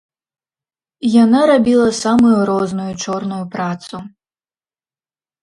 Яна рабіла самую розную чорную працу.